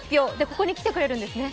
ここに来てくれるんですね。